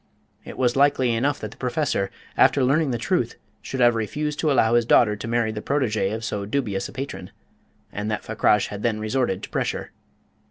It was likely enough that the Professor, after learning the truth, should have refused to allow his daughter to marry the protégé of so dubious a patron, and that Fakrash had then resorted to pressure.